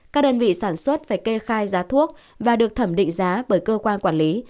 các đơn vị sản xuất phải kê khai giá thuốc và được thẩm định giá bởi cơ quan quản lý